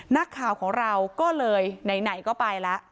นักข่าวของเราก็เลยไหนก็ไปแล้ว